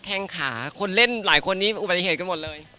แค่งขาคนเล่นหลายคนนี้อุบัติเหตุกันหมดเลย